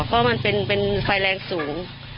เพราะมันเป็นไฟแรงสูง